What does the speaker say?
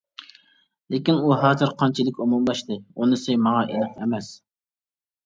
لېكىن، ئۇ ھازىر قانچىلىك ئومۇملاشتى، ئۇنىسى ماڭا ئېنىق ئەمەس.